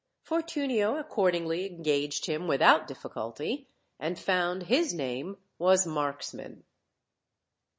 Fortunio ac cordingly engaged him without difficulty, and found his name was Marksman.